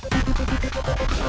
gak usah sok cantik deh lo jadi orang